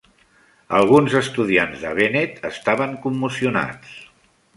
Alguns estudiants de Bennett estaven commocionats.